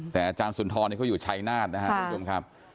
แต่อาจารย์สุนทอนนี่เขาอยู่ใช้หน้านะครับ